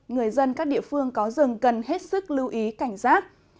người dân các địa phương có rừng cần hết sức lưu ý cảnh giác